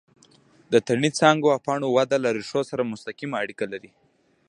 د تنې، څانګو او پاڼو وده له ریښو سره مستقیمه اړیکه لري.